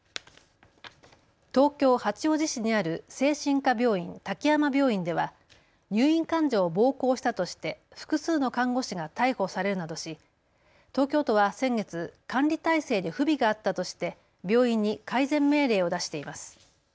東京八王子市にある精神科病院、滝山病院では入院患者を暴行したとして複数の看護師が逮捕されるなどし東京都は先月、管理体制に不備があったとして病院に改善命令を出しています。